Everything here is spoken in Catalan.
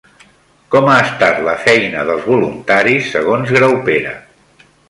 Com ha estat la feina dels voluntaris segons Graupera?